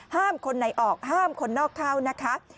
ห้ามคนไหนออกห้ามคนนอกเข้านะครับ